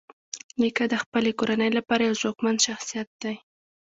نیکه د خپلې کورنۍ لپاره یو ځواکمن شخصیت دی.